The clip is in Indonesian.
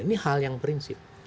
ini hal yang prinsip